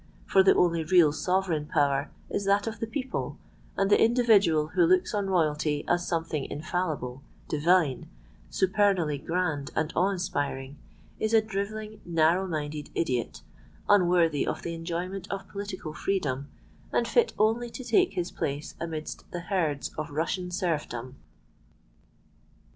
For the only real sovereign power is that of the people; and the individual who looks on royalty as something infallible—divine—supernally grand and awe inspiring, is a drivelling, narrow minded idiot, unworthy of the enjoyment of political freedom, and fit only to take his place amidst the herds of Russian serfdom.